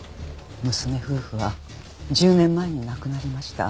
娘夫婦は１０年前に亡くなりました。